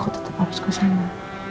aku tetep habis kesana